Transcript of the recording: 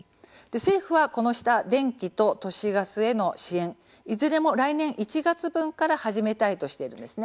政府は、この下電気料金と都市ガスへの支援いずれも来年１月分から始めたいとしているんです。